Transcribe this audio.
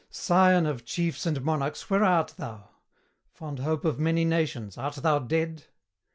Scion of chiefs and monarchs, where art thou? Fond hope of many nations, art thou dead?